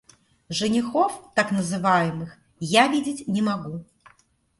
Женихов так называемых я видеть не могу.